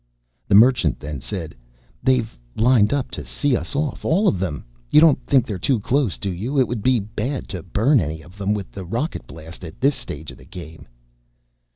The Merchant then said, "They've lined up to see us off. All of them. You don't think they're too close, do you? It would be bad to burn any of them with the rocket blast at this stage of the game."